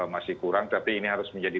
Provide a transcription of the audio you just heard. masih kurang tapi ini harus menjadi